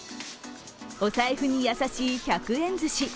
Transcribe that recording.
お財布に優しい１００円ずし。